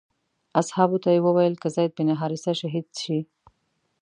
اصحابو ته یې وویل که زید بن حارثه شهید شي.